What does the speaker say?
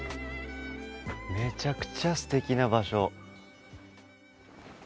めちゃくちゃすてきな場所。